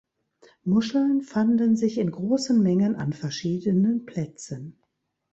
Muscheln fanden sich in großen Mengen an verschiedenen Plätzen.